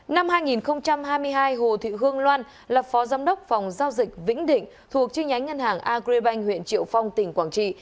năm hai nghìn hai mươi hai hồ thị hương loan là phó giám đốc phòng giao dịch vĩnh định thuộc chi nhánh ngân hàng agribank huyện triệu phong tỉnh quảng trị